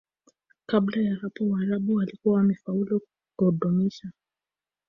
Kabla ya hapo Waarabu walikuwa wamefaulu kudumisha